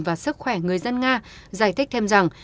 và sức khỏe người dân nga giải thích thêm rằng